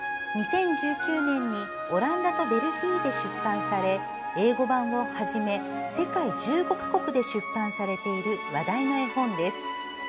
２０１９年にオランダとベルギーで出版され英語版をはじめ世界１５か国で出版されている話題の絵本です。